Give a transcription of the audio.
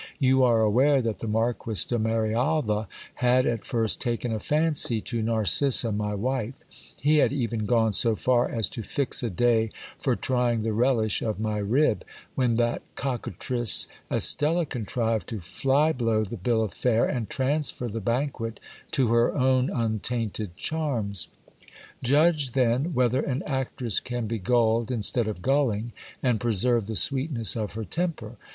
You are aware that the Marquis de Marialva had A THUNDERBOLT TO GIL BLAS. at first taken a fancy to Xarcissa, my wife ; he had even gone so far as to fix a day for trying the relish of my rib, when that cockatrice Estella contrived to flyblow the bill of fare, and transfer the banquet to her own untainted charms. Judge then, whether an actress can be gulled instead of gulling, and preserve the sweetness of her temper.